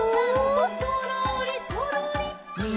「そろーりそろり」